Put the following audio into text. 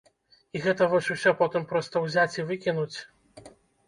І гэта вось усё потым проста ўзяць і выкінуць?